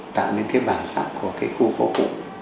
tạo nên cái bản sắc của cái khu phố cũ